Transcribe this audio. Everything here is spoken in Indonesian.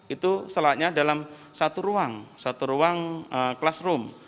itu selatnya dalam satu ruang satu ruang classroom